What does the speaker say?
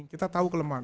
kita tahu kelemahan